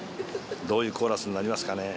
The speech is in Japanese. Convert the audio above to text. どういうコーラスになりますかね？